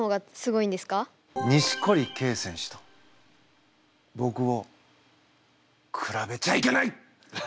錦織圭選手とぼくをくらべちゃいけない！